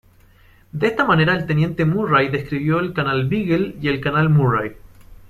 De esta manera el teniente Murray descubrió el canal Beagle y el canal Murray.